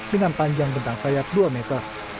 dengan panjang bentang sayap dua meter